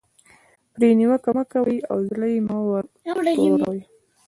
پرې نیوکه مه کوئ او زړه یې مه ور توروئ.